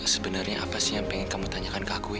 sebenarnya apa sih yang pengen kamu tanyakan ke aku